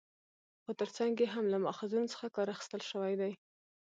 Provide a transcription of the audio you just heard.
خو تر څنګ يې هم له ماخذونو څخه کار اخستل شوى دى